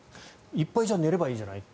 いっぱい寝ればいいじゃない。